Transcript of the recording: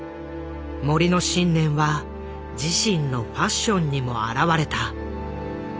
森の信念は自身のファッションにも表れた。